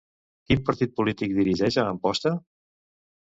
Quin partit polític dirigeix a Amposta?